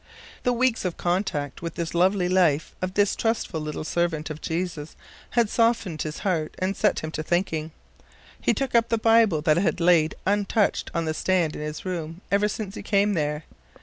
The weeks of contact with the lovely life of this trustful little servant of Jesus had softened his heart and set him to thinking. He took up the Bible that had lain untouched on the stand in his room ever since he came there.